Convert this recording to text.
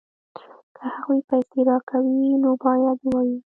که هغوی پیسې راکوي نو باید ووایو